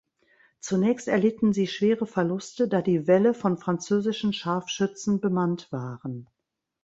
Zunächst erlitten sie schwere Verluste, da die Wälle von französischen Scharfschützen bemannt waren.